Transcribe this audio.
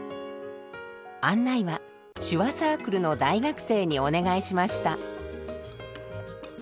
案内は、手話サークルの大学生にお願いしました。